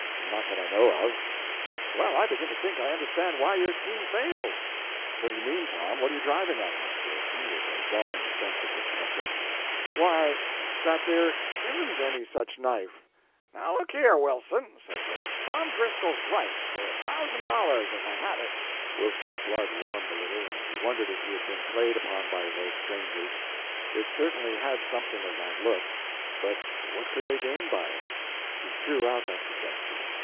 "Not that I know of." "Well, I begin to think I understand why your scheme failed." "What do you mean, Tom? What are you driving at?" asked Wilson, with a dawning sense of discomfort. "Why, that there isn't any such knife." "Look here, Wilson," said Blake, "Tom Driscoll's right, for a thousand dollars if I had it." Wilson's blood warmed a little, and he wondered if he had been played upon by those strangers; it certainly had something of that look. But what could they gain by it? He threw out that suggestion.